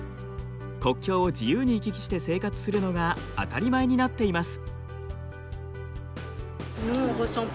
国境を自由に行き来して生活するのが当たり前になっています。